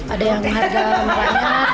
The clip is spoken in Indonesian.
ada yang harga banyak